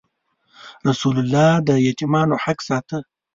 رسول الله د یتیمانو حق ساته.